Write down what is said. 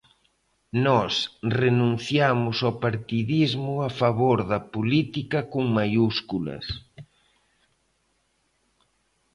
Nós renunciamos ao partidismo a favor da política con maiúsculas.